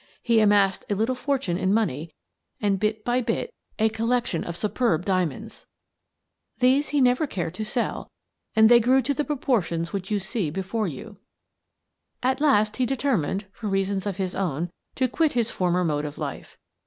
He amassed a little fortune in money and, bit by bit, a collection of superb dia The Last of It 265 monds. These he never cared to sell, and they grew to the proportions which you see before you. " At last he determined, for reasons of his own , to quit his former mode of life.